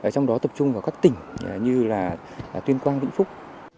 trong đó tập trung vào các tỉnh như là tuyên quang vĩnh phúc